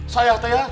saya tuh ya